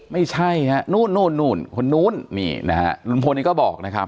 ไม่ใช่ฮะนู่นนู่นคนนู้นนี่นะฮะลุงพลนี่ก็บอกนะครับ